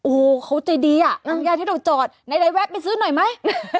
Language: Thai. โอ้โฮเขาใจดีที่เราจอดในรายแวะไปซื้อหน่อยไหม